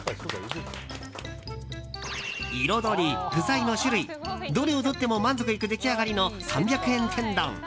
彩り、具材の種類どれをとっても満足いく出来上がりの３００円天丼。